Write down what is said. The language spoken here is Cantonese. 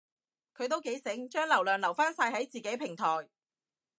佢都幾醒，將流量留返晒喺自己平台